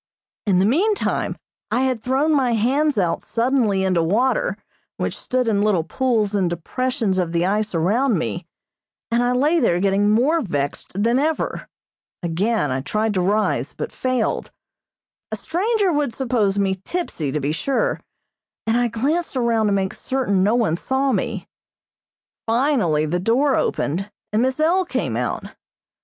In the meantime I had thrown my hands out suddenly into water which stood in little pools in depressions of the ice around me, and I lay there getting more vexed than ever. Again I tried to rise, but failed. A stranger would suppose me tipsy, to be sure, and I glanced around to make certain no one saw me. Finally the door opened, and Miss L. came out.